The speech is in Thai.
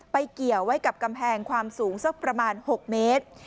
เกี่ยวไว้กับกำแพงความสูงสักประมาณ๖เมตร